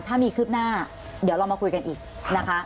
ถ้ามีคืบหน้าเดี๋ยวเรามาคุยกันอีกนะคะ